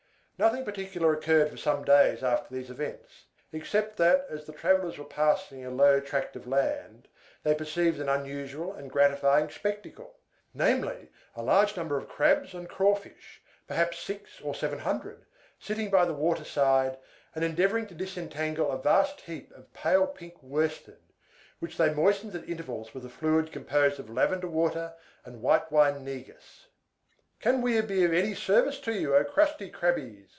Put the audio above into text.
Nothing particular occurred for some days after these events, except that, as the travellers were passing a low tract of sand, they perceived an unusual and gratifying spectacle; namely, a large number of Crabs and Crawfish perhaps six or seven hundred sitting by the water side, and endeavoring to disentangle a vast heap of pale pink worsted, which they moistened at intervals with a fluid composed of lavender water and white wine negus. "Can we be of any service to you, O crusty Crabbies?"